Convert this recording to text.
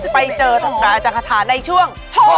ไปเจอกรายด์กันคาร์ธาในช่วง